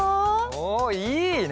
おおいいね！